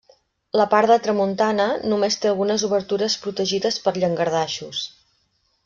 La part de tramuntana només té algunes obertures protegides per llangardaixos.